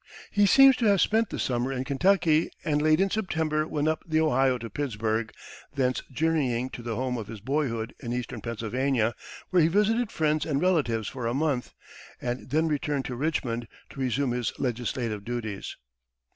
He seems to have spent the summer in Kentucky, and late in September went up the Ohio to Pittsburg, thence journeying to the home of his boyhood in eastern Pennsylvania, where he visited friends and relatives for a month, and then returned to Richmond to resume his legislative duties.